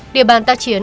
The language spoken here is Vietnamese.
địa bàn ta chiến